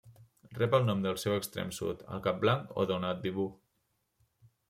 Rep el nom del seu extrem sud, el Cap Blanc o de Nouadhibou.